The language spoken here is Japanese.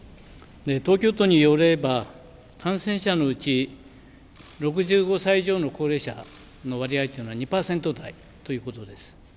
東京都によれば感染者のうち、６５歳以上の高齢者の割合というのは２％台ということです。